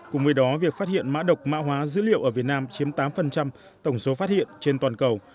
cùng với đó việc phát hiện mã độc mã hóa dữ liệu ở việt nam chiếm tám tổng số phát hiện trên toàn cầu